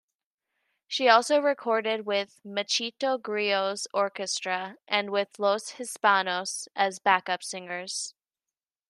She also recorded with Machito Grillo's orchestra and with Los Hispanos as backup singers.